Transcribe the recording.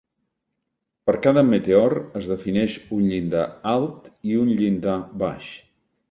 Per cada meteor es defineix un llindar alt i un llindar baix.